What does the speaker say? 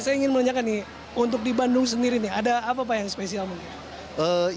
saya ingin menanyakan nih untuk di bandung sendiri nih ada apa pak yang spesial mungkin